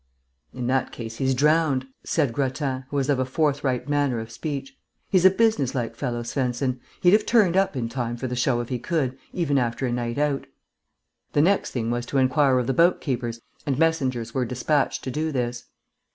"In that case he's drowned," said Grattan, who was of a forthright manner of speech. "He's a business like fellow, Svensen. He'd have turned up in time for the show if he could, even after a night out." The next thing was to inquire of the boat keepers, and messengers were despatched to do this.